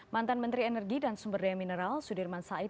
mantan menteri energi dan sumber daya mineral sudirman said